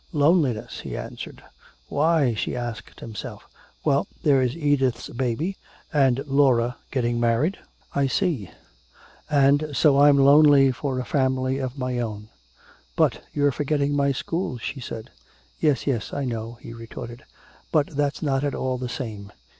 "Loneliness," he answered. "Why?" she asked him. "Well, there's Edith's baby and Laura getting married " "I see and so I'm lonely for a family of my own. But you're forgetting my school," she said. "Yes, yes, I know," he retorted. "But that's not at all the same.